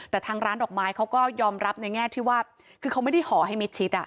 แต่ทางร้านดอกไม้เขาก็ยอมรับในแง่ที่ว่าคือเขาไม่ได้ห่อให้มิดชิด